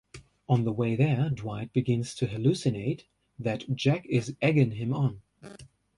On the way there, Dwight begins to hallucinate that Jack is egging him on.